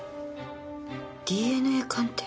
「ＤＮＡ鑑定」。